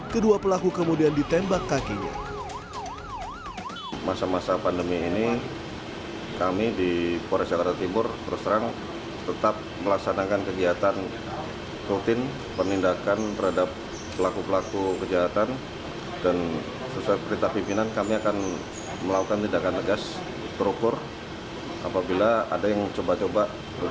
kedua pelaku kemudian ditembak kakinya